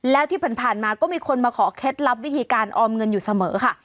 แล้วที่ผ่านมาก็มีคนมาขอเคล็ดลับวิธีการออมเงินอยู่เสมอค่ะ